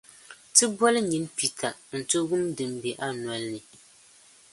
ti boli nyin’ Peter nti wum din be a nol’ ni.